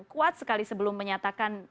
kuat sekali sebelum menyatakan